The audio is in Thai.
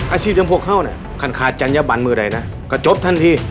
อาชีพอย่างพวกเขาเนี่ยคันขาดจัญญบันมือใดนะก็จบทันที